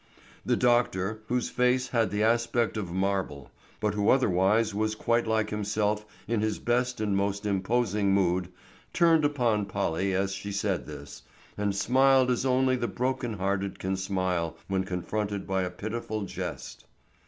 The doctor, whose face had the aspect of marble, but who otherwise was quite like himself in his best and most imposing mood, turned upon Polly as she said this, and smiled as only the broken hearted can smile when confronted by a pitiful jest.